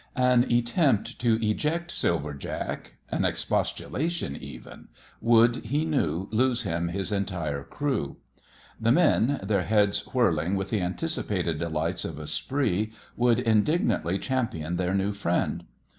An attempt to eject Silver Jack, an expostulation even, would, he knew, lose him his entire crew. The men, their heads whirling with the anticipated delights of a spree, would indignantly champion their new friend.